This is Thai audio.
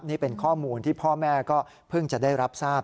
นี่เป็นข้อมูลที่พ่อแม่ก็เพิ่งจะได้รับทราบ